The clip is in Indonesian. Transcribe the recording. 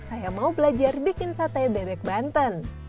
saya mau belajar bikin sate bebek banten